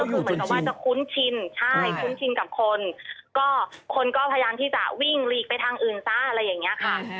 เขาอยู่จนชินคุ้นชินกับคนก็พยายามที่จะวิ่งลีกไปทางอื่นซ่าอะไรอย่างนี้ค่ะ